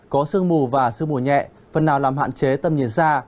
có sương mù và sương mù nhẹ phần nào làm hạn chế tầm nhìn xa